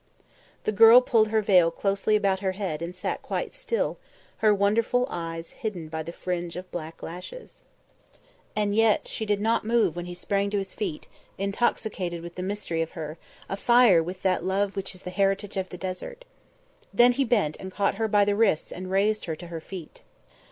The girl pulled her veil closely about her head and sat quite still, her wonderful eyes hidden by the fringe of black lashes. And yet did she not move when he sprang to his feet, intoxicated with the mystery of her, afire with that love which is the heritage of the desert. Then he bent and caught her by the wrists and raised her to her feet.